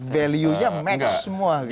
value nya match semua gitu